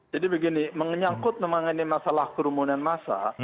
jadi begini menyangkut memenangi masalah kerumunan masa